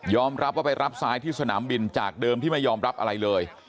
รับว่าไปรับทรายที่สนามบินจากเดิมที่ไม่ยอมรับอะไรเลย